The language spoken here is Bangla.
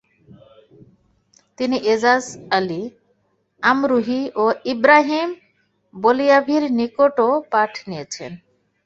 তিনি ইজাজ আলী আমরুহী ও ইবরাহিম বলিয়াভির নিকটও পাঠ নিয়েছেন।